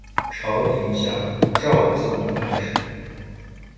朝廷下诏赠太师。